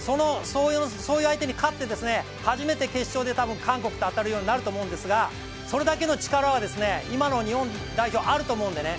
そういう相手に勝って初めて決勝で韓国と当たるようになると思うんですが、それだけの力は今の日本代表あると思うんでね。